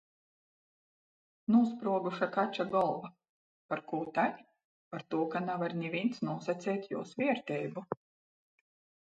Nūspruoguša kača golva. parkū tai? Partū ka navar nivīns nūsaceit juos vierteibu.